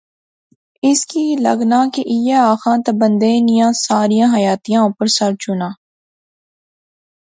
اس کی لغنا کہ ایہہ آخان تہ بندے نیاں ساریا حیاتیا اوپر سچ ہونا